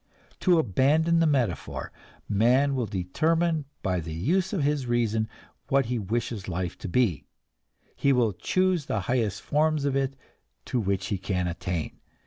To abandon the metaphor, man will determine by the use of his reason what he wishes life to be; he will choose the highest forms of it to which he can attain.